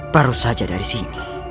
baru saja dari sini